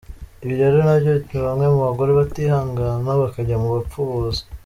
Ibi rero nabyo bituma bamwe mu bagore batihangana bakajya mu bapfubuzi.